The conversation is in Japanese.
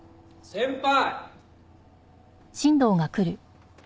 先輩！